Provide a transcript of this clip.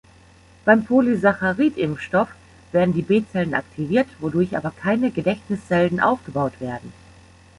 Beim Polysaccharid-Impfstoff werden die B-Zellen aktiviert, wodurch aber keine Gedächtniszellen aufgebaut werden.